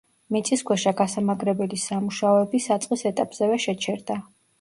მიწისქვეშა გასამაგრებელი სამუშაოები საწყის ეტაპზევე შეჩერდა.